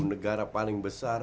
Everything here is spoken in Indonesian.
negara paling besar